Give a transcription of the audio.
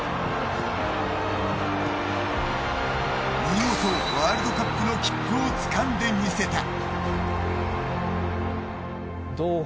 見事、ワールドカップの切符をつかんでみせた。